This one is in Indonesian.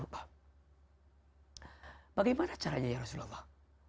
bagaimana caranya ya rasulullah